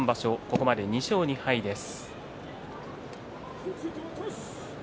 ここまで２勝２敗です。